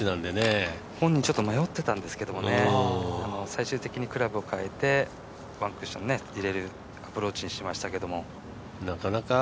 本人ちょっと迷ってたんですけどね、最終的にクラブを変えて、ワンクッション入れるアプローチにしましたけど。